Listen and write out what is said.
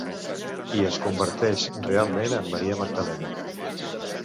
I es converteix realment en Maria Magdalena.